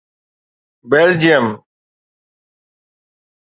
Belgium